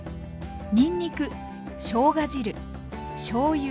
にんにくしょうが汁しょうゆ